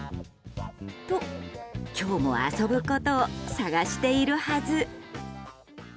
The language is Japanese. と、今日も遊ぶことを探しているはず。